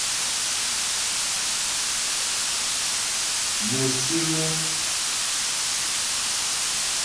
Mo síŋ ó.